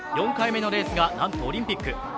４回目のレースが、なんとオリンピック。